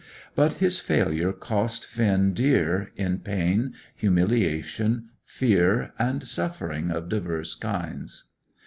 But his failure cost Finn dear, in pain, humiliation, fear, and suffering of diverse kinds.